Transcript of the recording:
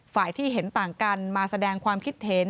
ฝ่ายที่เห็นต่างกันมาแสดงความคิดเห็น